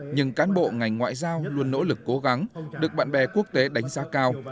nhưng cán bộ ngành ngoại giao luôn nỗ lực cố gắng được bạn bè quốc tế đánh giá cao